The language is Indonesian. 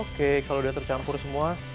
oke kalau udah tercampur semua